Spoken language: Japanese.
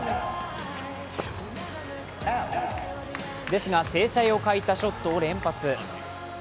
ですが、精彩を欠いたショットを連発。